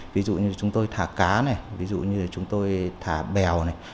ví dụ như chúng tôi thả cá này ví dụ như là chúng tôi thả bèo này